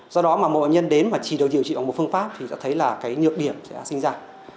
do đó một nhân đến mà chỉ điều trị bằng một phương pháp thì sẽ thấy là cái nhược điểm sẽ sinh ra